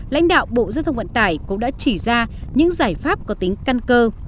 lãnh đạo bộ giao thông vận tải cũng đã chỉ ra những giải pháp có tính căn cơ